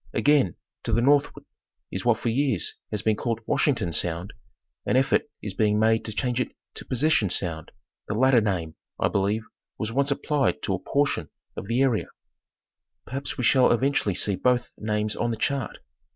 Again, to the northward, is what for years has been called " Washington" Sound, an effort is being made to change it to " Possession" Sound, the latter name, I believe, was once applied to a portion of the area; perhaps we shall eventually see both names on the chart.